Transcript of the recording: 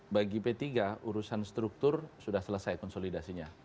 bagi p tiga urusan struktur sudah selesai konsolidasinya